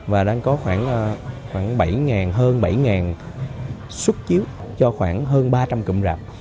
và đang có khoảng bảy hơn bảy xuất chiếu cho khoảng hơn ba trăm linh cụm rạp